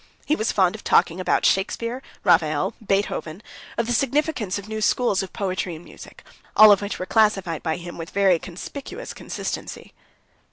He was fond of talking about Shakespeare, Raphael, Beethoven, of the significance of new schools of poetry and music, all of which were classified by him with very conspicuous consistency.